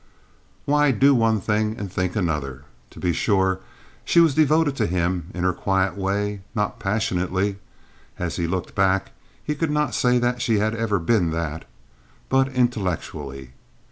Why do one thing and think another? To be sure, she was devoted to him in her quiet way, not passionately (as he looked back he could not say that she had ever been that), but intellectually.